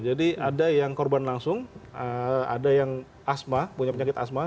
jadi ada yang korban langsung ada yang asma